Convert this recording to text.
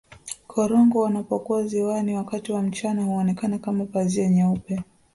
korongo wanapokuwa ziwani wakati wa mchana huonekana kama pazia jeupe